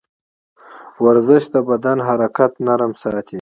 ورزش د بدن حرکات نرم ساتي.